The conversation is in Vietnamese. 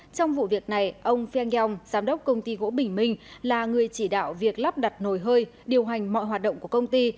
trong vụ việc này ông phiang yong giám đốc công ty gỗ bình minh là người chỉ đạo việc lắp đặt nồi hơi điều hành mọi hoạt động của công ty